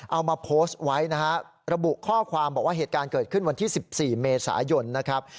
เอามาโพสต์ไว้นะฮะระบุข้อความบอกว่าเหตุการณ์เกิดขึ้นวันที่๑๔เมษายนนะครับ